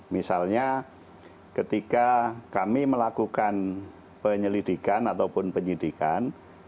misalnya ketika kami melakukan penyelidikan ataupun penyidikan